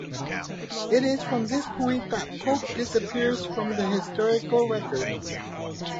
It is from this point that Pope disappears from the historical record.